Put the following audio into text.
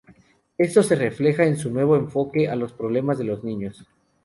Esto se refleja en su nuevo enfoque a los problemas de los niños.